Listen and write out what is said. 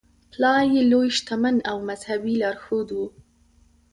پلار یې لوی شتمن او مذهبي لارښود و.